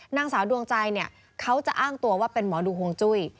นางสาวดวงใจเนี่ยเขาจะอ้างตัวว่าเป็นหมอดูห่วงจุ้ย